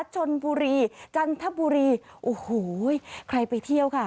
ชนบุรีจันทบุรีโอ้โหใครไปเที่ยวค่ะ